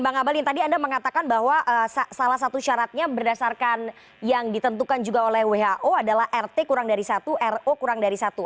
bang abalin tadi anda mengatakan bahwa salah satu syaratnya berdasarkan yang ditentukan juga oleh who adalah rt kurang dari satu ro kurang dari satu